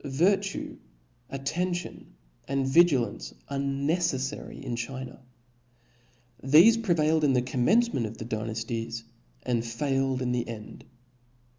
Virtue, attention, and vigilance, are neceffary in China ; thefe prevailed in the cofh* mencement of the Dynafties, and failed in the end.